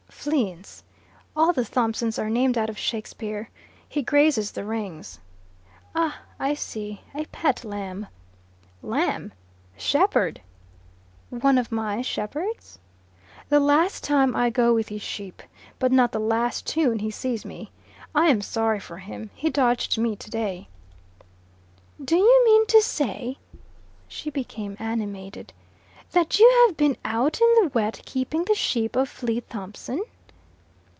Fleance. All the Thompsons are named out of Shakespeare. He grazes the Rings." "Ah, I see. A pet lamb." "Lamb! Shepherd!" "One of my Shepherds?" "The last time I go with his sheep. But not the last time he sees me. I am sorry for him. He dodged me today." "Do you mean to say" she became animated "that you have been out in the wet keeping the sheep of Flea Thompson?"